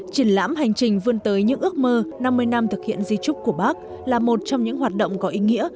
triển lãm hành trình vươn tới những ước mơ năm mươi năm thực hiện di trúc của bác là một trong những hoạt động có ý nghĩa